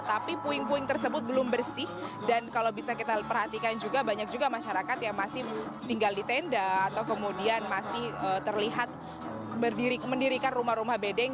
tapi puing puing tersebut belum bersih dan kalau bisa kita perhatikan juga banyak juga masyarakat yang masih tinggal di tenda atau kemudian masih terlihat mendirikan rumah rumah bedeng